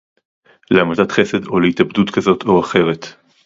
להמתת חסד או להתאבדות כזאת או אחרת